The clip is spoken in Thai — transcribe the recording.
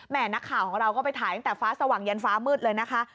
นักข่าวของเราก็ไปถ่ายตั้งแต่ฟ้าสว่างยันฟ้ามืดเลยนะคะ